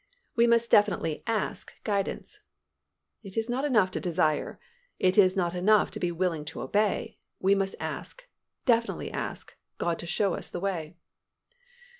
_We must definitely __"__ask__"__ guidance._ It is not enough to desire; it is not enough to be willing to obey; we must ask, definitely ask, God to show us the way.